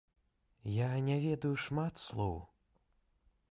Я не ведаю шмат слоў.